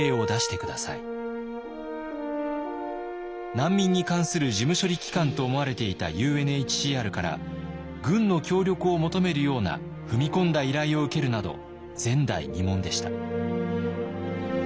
難民に関する事務処理機関と思われていたＵＮＨＣＲから軍の協力を求めるような踏み込んだ依頼を受けるなど前代未聞でした。